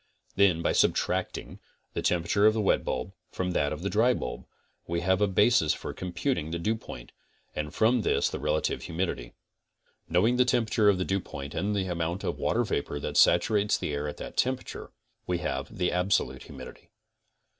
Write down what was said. Then by subtracting the tempera ture of the wet bulb from that of the dry bulb, we have a basis for computing the dewpoint, and from this the relative humidity. Knowing the tmeperature of the dewpoint and the amount of water vapor that saturates the air at that temperature, we have the absolute humidity.